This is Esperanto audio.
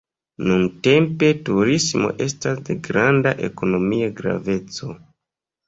Nuntempe turismo estas de granda ekonomia graveco.